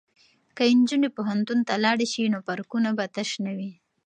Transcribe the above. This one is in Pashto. که نجونې پوهنتون ته لاړې شي نو پارکونه به تش نه وي.